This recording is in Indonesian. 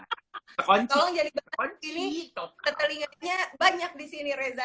tetelinganya banyak disini reza